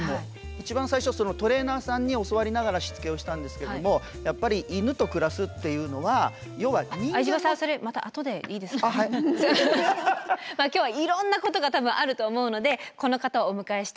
一番最初トレーナーさんに教わりながらしつけをしたんですけどもやっぱり今日はいろんなことが多分あると思うのでこの方をお迎えして伺いたいと思います。